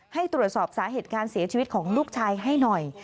ให้ตรวจสอบสาเหตุการเสียชีวิตของลูกชายให้หน่อย